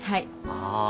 ああ。